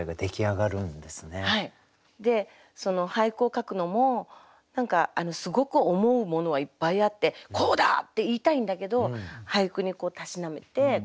でその俳句を書くのも何かすごく思うものはいっぱいあって「こうだ！」って言いたいんだけど俳句に書いて。